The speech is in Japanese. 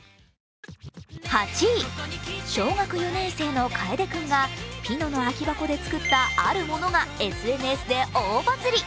８位、小学４年生のかえで君がピノの空き箱で作ったあるものがＳＮＳで大バズり。